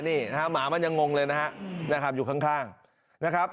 นี่นะฮะหมามันยังงงเลยนะครับอยู่ข้างนะครับ